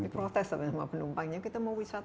di protes sama penumpangnya